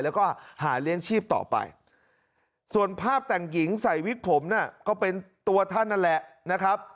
แล้วก็หาเลี้ยงชีพต่อไปส่วนภาพแต่งหญิงใส่วิกผมน่ะก็เป็นตัวท่านนั่นแหละนะครับ